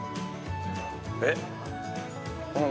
えっ！